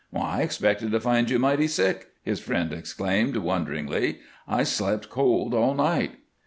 "I expected to find you mighty sick," his friend exclaimed, wonderingly. "I slept cold all night."